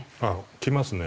きますね。